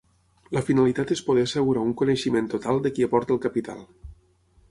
La finalitat és poder assegurar un coneixement total de qui aporti el capital.